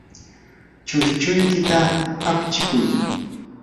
chushchuykita apchikuy.